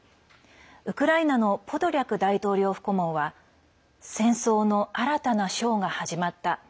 ウクライナのポドリャク大統領府顧問は戦争の新たな章が始まった。